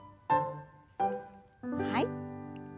はい。